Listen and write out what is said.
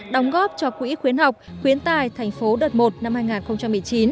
đóng góp cho quỹ khuyến học khuyến tài tp cnh đợt một năm hai nghìn một mươi chín